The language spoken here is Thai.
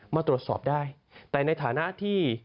มาตรวจสอบได้แต่ในฐานะที่